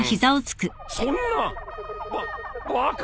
そんなババカな！？